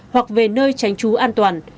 hoặc về nơi tránh trú an toàn